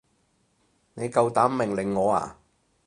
你夠膽命令我啊？